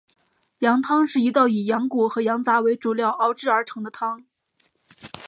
羊汤是一道以羊骨和羊杂为主料熬制而成的汤。